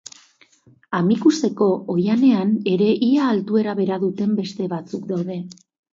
Amikuzeko oihanean ere ia altuera bera duten beste batzuk daude.